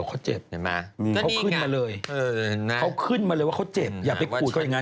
เขาขึ้นมาเลยว่าเขาเจ็บอย่าไปคูยกับเขาอย่างนั้น